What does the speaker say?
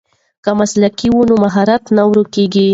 که مسلک وي نو مهارت نه ورکېږي.